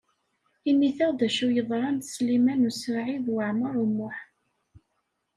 Init-aɣ-d acu yeḍran d Sliman U Saɛid Waɛmaṛ U Muḥ.